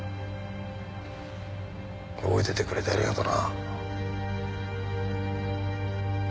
覚えていてくれてありがとな。